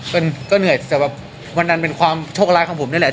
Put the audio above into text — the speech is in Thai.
เป็นเงื่อนออกมากแต่วันนั้นเป็นความโชคระต่ำของผมนั่นแหละ